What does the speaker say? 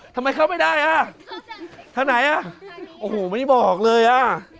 ทำไมเข้าไม่ได้อ่ะทางไหนอ่ะโอ้โหไม่บอกเลยอ่ะ